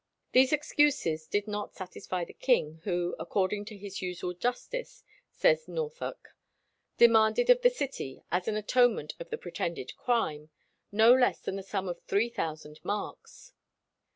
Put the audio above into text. These excuses did not satisfy the king, who, "according to his usual justice," says Noorthouck, "demanded of the city, as an atonement of the pretended crime, no less than the sum of three thousand marks."